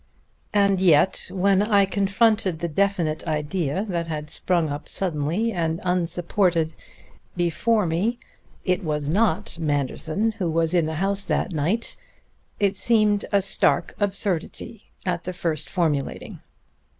And yet when I confronted the definite idea that had sprung up suddenly and unsupported before me, It was not Manderson who was in the house that night it seemed a stark absurdity at the first formulating.